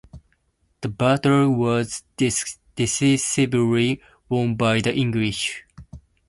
The battle was decisively won by the English.